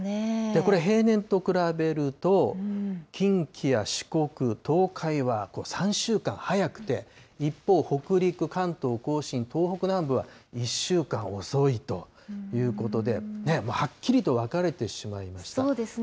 これ平年と比べると、近畿や四国、東海は３週間早くて、一方、北陸、関東甲信、東北南部は１週間遅いということで、そうですね。